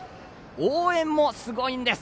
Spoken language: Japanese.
応援もすごいんです。